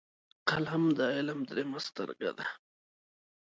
قلم د علم دریمه سترګه ده